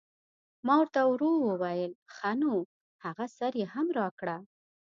ما ور ته ورو وویل: ښه نو هغه سر یې هم راکړه.